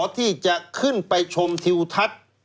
ที่จะขึ้นไปชมทิวทัศน์